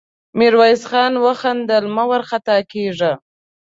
ميرويس خان وخندل: مه وارخطا کېږه!